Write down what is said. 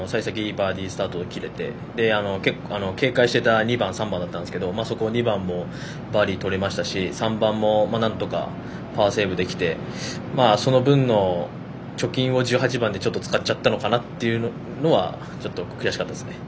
バーディースタートが切れて警戒していた２番、３番だったんですがそこ、２番もバーディーとれたし３番もなんとかパーセーブできてその分の、貯金を１８番で使っちゃったのかなというのはちょっと悔しかったですね。